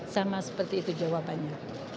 sama seperti itu jawabannya